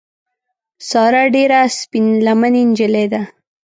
ساره ډېره سپین لمنې نجیلۍ ده.